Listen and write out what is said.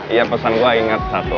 iya pesan gua ingat satu